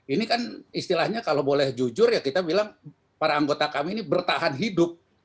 ini kan istilahnya kalau boleh jujur ya kita bilang para anggota kami ini bertahan hidup